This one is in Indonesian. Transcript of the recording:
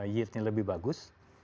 yield nya lebih bagus